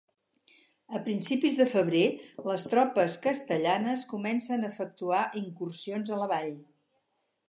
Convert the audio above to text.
A principis de febrer, les tropes castellanes comencen a efectuar incursions a la vall.